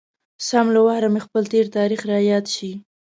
سم له واره مې خپل تېر تاريخ را یاد شي.